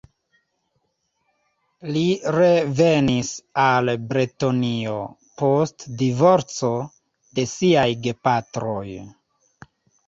Li revenis al Bretonio post divorco de siaj gepatroj.